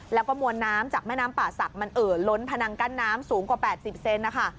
แล้วก็มวลน้ำจากแม่น้ำป่าศักดิ์มันเอ่อล้นพนังกั้นน้ำสูงกว่า๘๐เซนนะคะ